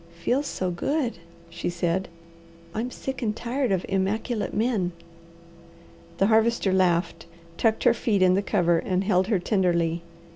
"Feels so good," she said. "I'm sick and tired of immaculate men." The Harvester laughed, tucked her feet in the cover and held her tenderly.